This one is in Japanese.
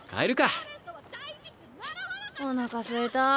おなかすいた。